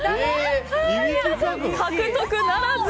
獲得ならず。